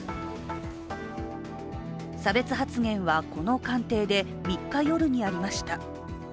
差別発言はこの官邸で３日夜にありました。